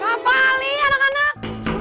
rafa li anak anak